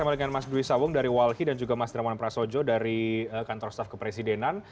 terima kasih denan